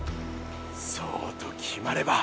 そうと決まれば。